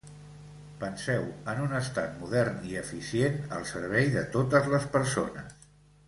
Penseu en un estat modern i eficient, al servei de totes les persones.